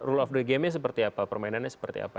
rule of the game nya seperti apa permainannya seperti apa